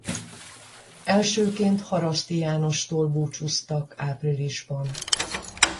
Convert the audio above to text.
Elsőként Haraszti Jánostól búcsúztak áprilisban.